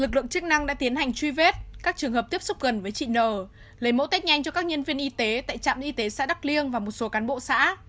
lực lượng chức năng đã tiến hành truy vết các trường hợp tiếp xúc gần với chị n lấy mẫu test nhanh cho các nhân viên y tế tại trạm y tế xã đắk liêng và một số cán bộ xã